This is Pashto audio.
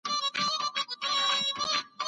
مطالعه له جبر څخه غوره ده.